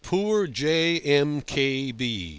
Poor J. M. K. B.